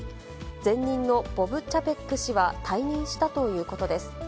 前任のボブ・チャペック氏は退任したということです。